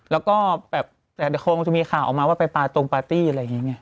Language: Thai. แล้วก็แบบแต่คงจะมีข่าวออกมาว่าไปปาตรงปาร์ตี้อะไรอย่างนี้ไง